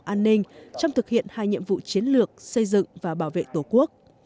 an ninh trong thực hiện hai nhiệm vụ chiến lược xây dựng và bảo vệ tổ quốc